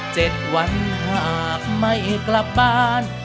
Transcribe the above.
๗วันหากไม่กลับบ้าน